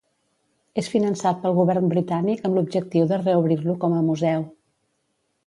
És finançat pel govern britànic amb l'objectiu de reobrir-lo com a museu.